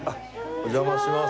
お邪魔します。